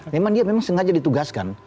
memang dia sengaja ditugaskan